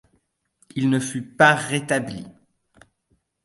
Il ne fut pas rétabli.